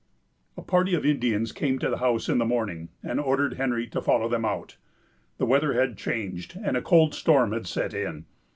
A party of Indians came to the house in the morning, and ordered Henry to follow them out. The weather had changed, and a cold storm had set in.